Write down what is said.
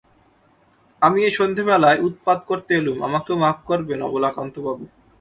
আমি এই সন্ধেবেলায় উৎপাত করতে এলুম, আমাকেও মাপ করবেন অবলাকান্তবাবু!